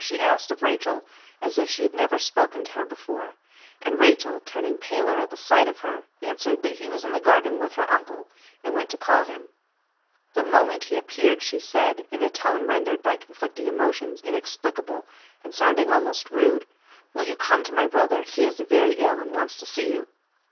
she asked of Rachel, as if she had never spoken to her before; and Rachel, turning paler at the sight of her, answered that he was in the garden with her uncle, and went to call him. The moment he appeared she said, in a tone rendered by conflicting emotions inexplicable, and sounding almost rude, "Will you come to my brother? He is very ill, and wants to see you."